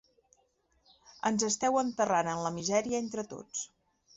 Ens esteu enterrant en la misèria entre tots.